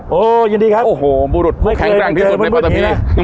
ครับโอ้โหยินดีครับโอ้โหบุรุษไม่เคยไม่เคยบนบุรุษนี้อ่ะ